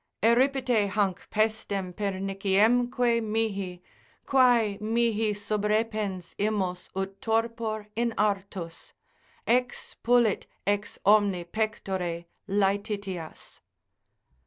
Eripite hanc pestem perniciemque mihi; Quae mihi subrepens imos ut torpor in artus, Expulit ex omni pectore laetitias.